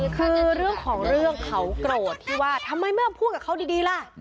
คือเรื่องของเรื่องเขาโกรธที่ว่าทำไมไม่มาพูดกับเขาดีล่ะ